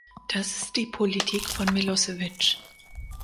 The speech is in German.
Das ist die Politik von Milosevic.